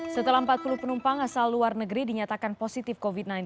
setelah empat puluh penumpang asal luar negeri dinyatakan positif covid sembilan belas